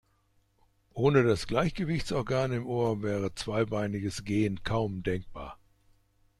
Ohne das Gleichgewichtsorgan im Ohr wäre zweibeiniges Gehen kaum denkbar.